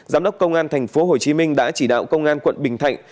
giám đốc công an tp hcm đã chỉ đạo công an quận bình thạnh